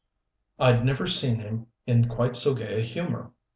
I'd never seen him in quite so gay a humor.